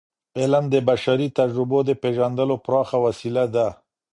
علم د بشري تجربو د پیژندلو پراخه وسیله ده.